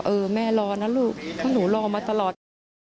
เออแม่รอนะลูกข้าหนูรอมาตลอด